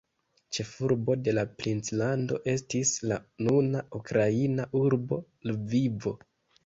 Ĉefurbo de la princlando estis la nuna ukraina urbo Lvivo.